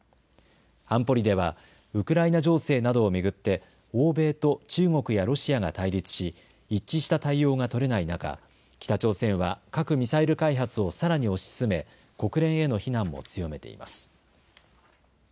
安保理ではウクライナ情勢などを巡って欧米と中国やロシアが対立し、一致した対応が取れない中、北朝鮮は核・ミサイル開発をさらに推し進め国連への非難も強めています。